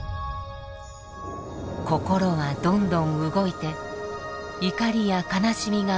心はどんどん動いて怒りや悲しみが生まれます。